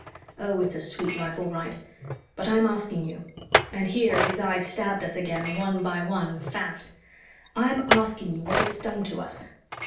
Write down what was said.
"Oh, it's a sweet life, all right, but I'm asking you " and here his eyes stabbed us again, one by one, fast "I'm asking you what it's done to us.